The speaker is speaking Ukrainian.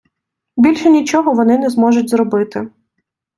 Більше нічого вони не зможуть зробити.